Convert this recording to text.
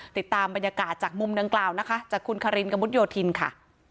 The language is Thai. ติดตามบรรยากาศจากมุมดังกล่าวนะคะจากคุณคารินกระมุดโยธินค่ะ